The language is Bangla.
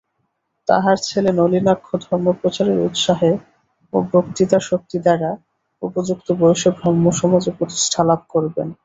তাঁহার ছেলে নলিনাক্ষ ধর্মপ্রচারের উৎসাহে ও বক্তৃতাশক্তিদ্বারা উপযুক্ত বয়সে ব্রাহ্মসমাজে প্রতিষ্ঠালাভ করেন।